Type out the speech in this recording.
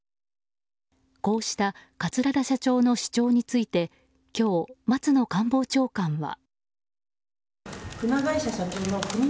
こうした桂田社長の主張について今日、松野官房長官は。